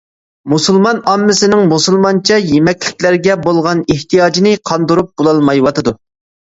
مۇسۇلمان ئاممىسىنىڭ مۇسۇلمانچە يېمەكلىكلەرگە بولغان ئېھتىياجىنى قاندۇرۇپ بولالمايۋاتىدۇ.